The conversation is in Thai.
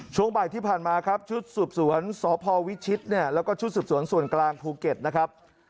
ช่วงบ่ายที่ผ่านมาครับชุดสืบสวนสพวิชิตเนี่ยแล้วก็ชุดสืบสวนส่วนกลางภูเก็ตนะครับ